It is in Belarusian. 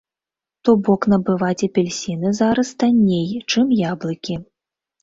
То бок набываць апельсіны зараз танней, чым яблыкі.